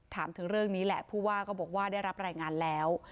ถามถึงเรื่องนี้แหละผู้ว่าก็บอกว่าได้รับรายงานแล้ว